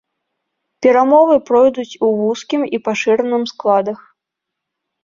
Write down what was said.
Перамовы пройдуць у вузкім і пашыраным складах.